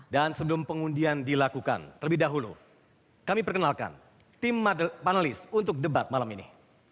dan sebelum pengundian dilakukan terlebih dahulu kami perkenalkan tim panelis untuk debat malam ini